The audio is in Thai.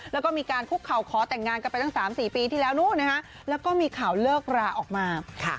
แล้วก็มีการคุกเข่าขอแต่งงานกันไปตั้ง๓๔ปีที่แล้วนู้นนะคะแล้วก็มีข่าวเลิกราออกมา